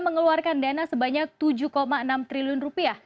mengeluarkan dana sebanyak tujuh enam triliun rupiah